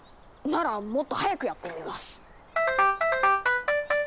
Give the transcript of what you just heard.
ならもっと速くやってみます。